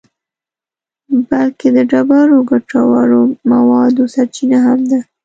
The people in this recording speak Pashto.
بلکه د ډېرو ګټورو موادو سرچینه هم ده.